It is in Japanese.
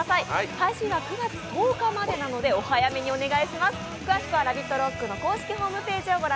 配信は９月１０日までなのでお早めにお願いします。